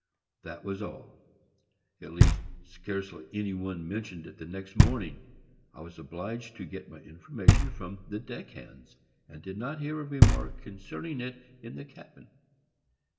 That was all; at least, scarcely any one mentioned it the next morning. I was obliged to get my information from the deck hands, and did not hear a remark concerning it in the cabin.